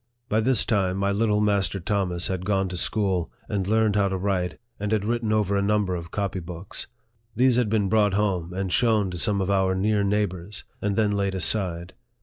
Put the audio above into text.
By this time, my little Master Thomas had gone to school, and learned how to write, and had written over a number of copy books. These had been brought home, and shown to some of our near neighbors, and then laid aside.